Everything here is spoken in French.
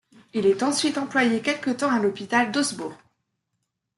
Il est ensuite employé quelque temps à l’hôpital d’Augsbourg.